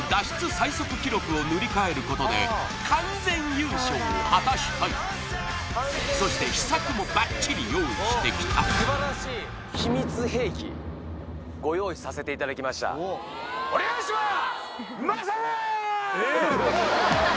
最速記録を塗り替えることで完全優勝を果たしたいそして秘策もバッチリ用意してきた素晴らしいお願いします